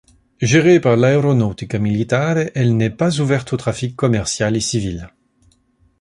Gérée par l'Aeronautica Militare elle n'est pas ouverte au trafic commercial et civil.